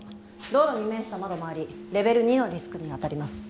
道路に面した窓もありレベル２のリスクにあたります。